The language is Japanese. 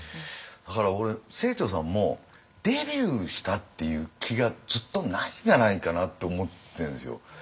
だから俺清張さんもデビューしたっていう気がずっとないんじゃないかなって思ってるんですよ。